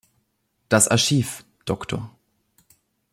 Das Archiv „Dr.